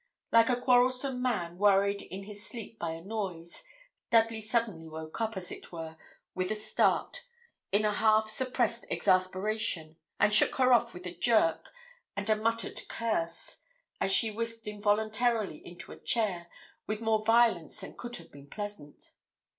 Like a quarrelsome man worried in his sleep by a noise, Dudley suddenly woke up, as it were, with a start, in a half suppressed exasperation, and shook her off with a jerk and a muttered curse, as she whisked involuntarily into a chair, with more violence than could have been pleasant.